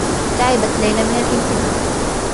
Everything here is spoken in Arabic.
تعبت ليلى من الانتظار.